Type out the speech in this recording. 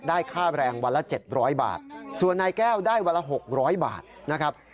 ได้ค่าแรงวันละเจ็ดร้อยบาทส่วนนายแก้วได้วันละหกร้อยบาทนะครับ